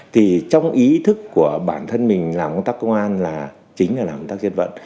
thì trong ý thức của bản thân mình làm công tác công an là chính là làm công tác dân vận